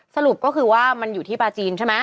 สรุปก็คือว่ามันอยู่ที่ปลาจีนใช่ไหม